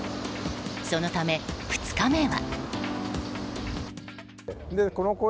そのため２日目は。